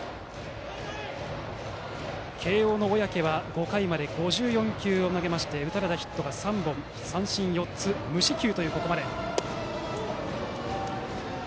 慶応の小宅は５回まで５４球打たれたヒットが３本、三振４つ無四球というここまで。